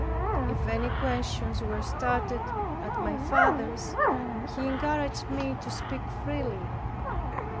If any questions were started at my father's, he encouraged me to speak freely.